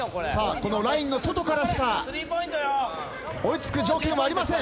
このラインの外からしか追い付く条件はありません。